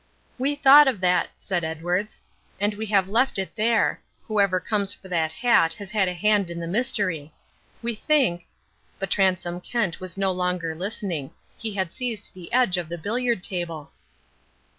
"We thought of that," said Edwards, "and we have left it there. Whoever comes for that hat has had a hand in the mystery. We think " But Transome Kent was no longer listening. He had seized the edge of the billiard table.